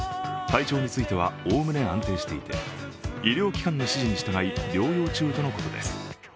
体調については、おおむね安定していて医療機関の指示に従い、療養中とのことです。